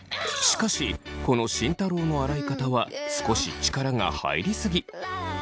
しかしこの慎太郎の洗い方は少し力が入りすぎ。